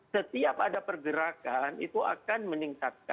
setiap ada pergerakan itu akan meningkatkan